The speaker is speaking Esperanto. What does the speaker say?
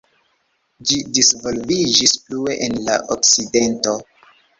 Ĝi disvolviĝis plue en la Okcidento.